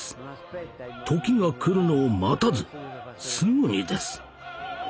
時が来るのを待たずすぐにです。